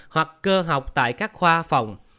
hoặc cơ học tại các khoa phòng